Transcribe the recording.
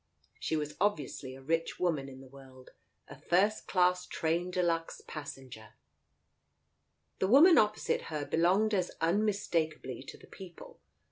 She was obviously a rich woman in the world, a first class train de luxe passenger. The woman opposite her belonged as unmistakably to the people.